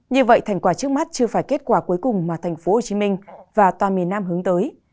như vậy thành quả trước mắt chưa phải kết quả cuối cùng mà tp hcm và toàn miền nam hướng tới